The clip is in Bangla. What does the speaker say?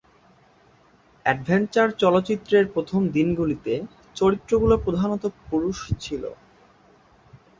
অ্যাডভেঞ্চার চলচ্চিত্রের প্রথম দিনগুলিতে, চরিত্রগুলি প্রধানত পুরুষ ছিল।